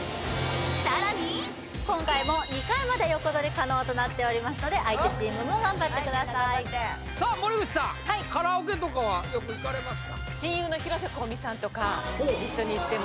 さらに今回も２回まで横取り可能となっておりますので相手チームも頑張ってくださいさあ森口さん一緒に行ってます